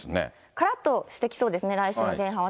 からっとしてきそうですね、来週は、前半は。